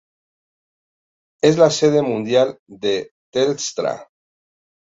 Es la sede mundial de Telstra.